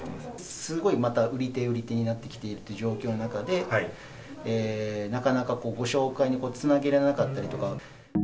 すごいまた売り手売り手になってきているという状況の中で、なかなかご紹介につなげれなかったりとか。